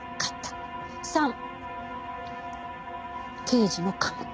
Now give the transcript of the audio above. ３刑事の勘。